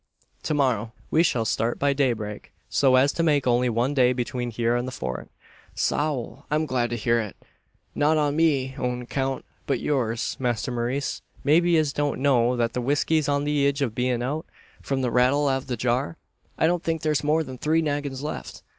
"To morrow. We shall start by daybreak, so as to make only one day between here and the Fort." "Sowl! I'm glad to hear it. Not on me own account, but yours, Masther Maurice. Maybe yez don't know that the whisky's on the idge of bein' out? From the rattle av the jar, I don't think there's more than three naggins left.